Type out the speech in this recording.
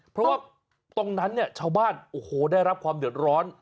เพราะว่าตรงนั้นเนี่ยชาวบ้านโอ้โหได้รับความเดือดร้อน